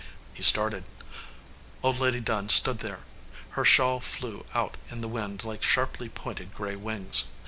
He started. Old Lady Dunn stood there. Her shawl flew out in the wind like sharply pointed gray wings.